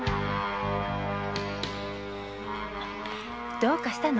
どうかしたの？